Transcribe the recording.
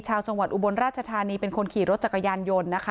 ชาวจังหวัดอุบลราชธานีเป็นคนขี่รถจักรยานยนต์นะคะ